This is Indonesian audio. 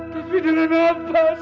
tapi dari nama saya harus berbalas